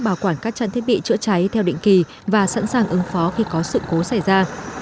bảo quản các trang thiết bị chữa cháy theo định kỳ và sẵn sàng ứng phó khi có sự cố xảy ra